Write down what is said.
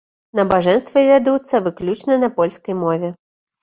Набажэнствы вядуцца выключана на польскай мове.